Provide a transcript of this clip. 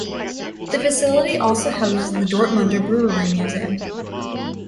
The facility also houses the Dortmunder Brewery Museum.